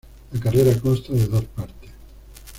La carrera consta de dos partes.